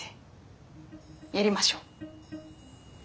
やりましょう。